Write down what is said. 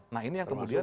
nah ini yang kemudian